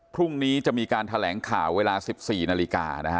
พรุ่งนี้จะมีการแถลงข่าวเวลา๑๔นาฬิกานะฮะ